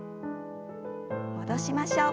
戻しましょう。